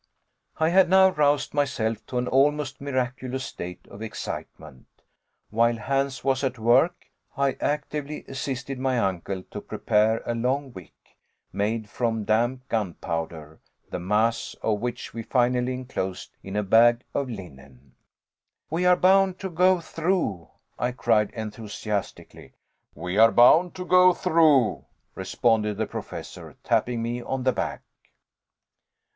I had now roused myself to an almost miraculous state of excitement. While Hans was at work, I actively assisted my uncle to prepare a long wick, made from damp gunpowder, the mass of which we finally enclosed in a bag of linen. "We are bound to go through," I cried, enthusiastically. "We are bound to go through," responded the Professor, tapping me on the back.